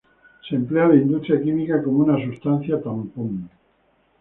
Se emplea en la industria química como una sustancia tampón.